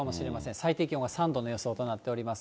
最低気温は３度の予想となっております。